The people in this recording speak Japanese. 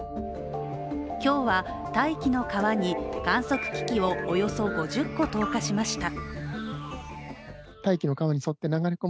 今日は大気の河に観測機器をおよそ５０個投下しました。